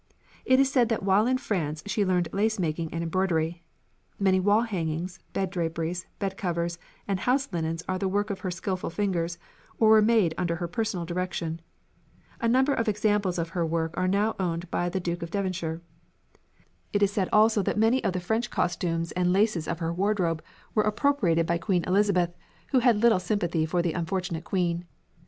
It is said that while in France she learned lace making and embroidery. Many wall hangings, bed draperies, bedcovers, and house linens are the work of her skilful fingers, or were made under her personal direction. A number of examples of her work are now owned by the Duke of Devonshire. It is said also that many of the French costumes and laces of her wardrobe were appropriated by Queen Elizabeth, who had little sympathy for the unfortunate queen.